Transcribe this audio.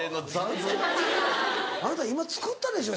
あなた今作ったでしょ？